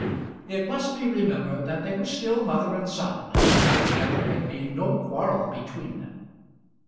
It must be remembered that they were still mother and son, and that there had been no quarrel between them.